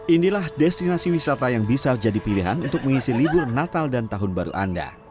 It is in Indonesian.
inilah destinasi wisata yang bisa jadi pilihan untuk mengisi libur natal dan tahun baru anda